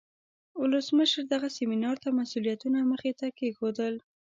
ولسمشر دغه سیمینار ته مسئولیتونه مخې ته کیښودل.